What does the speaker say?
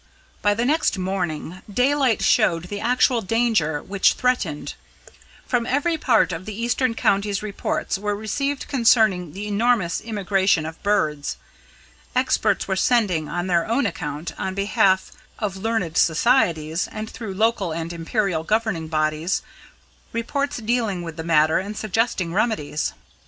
By the next morning, daylight showed the actual danger which threatened. From every part of the eastern counties reports were received concerning the enormous immigration of birds. Experts were sending on their own account, on behalf of learned societies, and through local and imperial governing bodies reports dealing with the matter, and suggesting remedies.